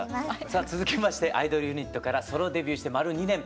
さあ続きましてアイドルユニットからソロデビューして丸２年。